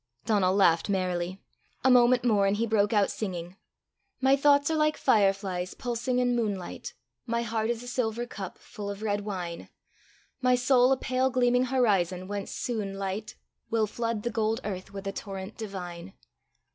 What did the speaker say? Donal laughed merrily. A moment more and he broke out singing: My thoughts are like fireflies, pulsing in moonlight; My heart is a silver cup, full of red wine; My soul a pale gleaming horizon, whence soon light Will flood the gold earth with a torrent divine.